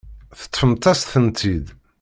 Teṭṭfemt-as-tent-id.